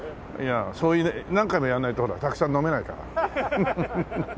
そういうね何回もやんないとほらたくさん飲めないから。